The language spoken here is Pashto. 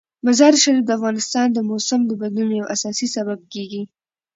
مزارشریف د افغانستان د موسم د بدلون یو اساسي سبب کېږي.